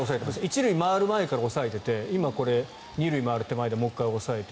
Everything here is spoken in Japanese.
１塁回る前から押さえてて２塁回る前にもう１回押さえて。